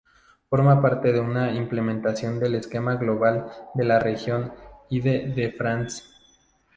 Forma parte de la implementación del esquema global de la región Ile-de-France.